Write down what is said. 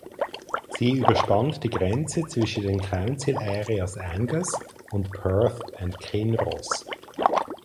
Sie überspannt die Grenze zwischen den Council Areas Angus und Perth and Kinross.